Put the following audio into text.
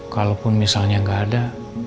kalaupun misalnya nggak ada